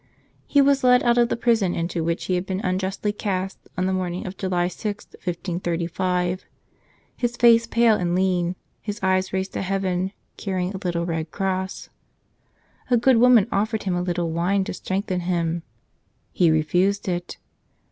He was led out of the prison into which he had been unjustly cast on the morning of July 6, 1535, his face pale and lean, his eyes raised to heaven, carry¬ ing a little red cross. A good woman offered him a little wine to strengthen him. He refused it.